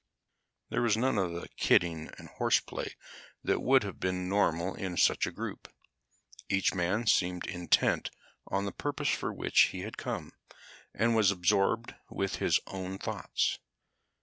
There was none of the kidding and horseplay that would have been normal in such a group. Each man seemed intent on the purpose for which he had come, and was absorbed with his own thoughts.